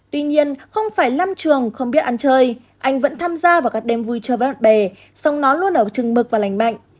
tuy nhiên không phải lâm trường không biết ăn chơi anh vẫn tham gia vào các đêm vui chơi với bạn bè song nó luôn ở chừng mực và lành mạnh